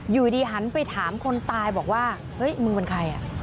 อยู่ดีหันไปถามคนตายบอกว่าเฮ้ยมึงเป็นใครอ่ะ